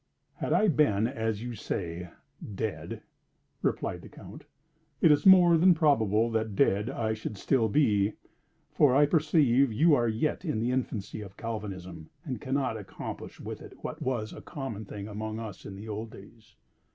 "Had I been, as you say, dead," replied the Count, "it is more than probable that dead, I should still be; for I perceive you are yet in the infancy of Galvanism, and cannot accomplish with it what was a common thing among us in the old days.